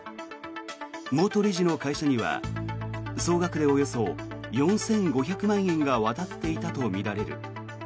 元理事の会社には総額でおよそ４５００万円が渡っていたとみられる。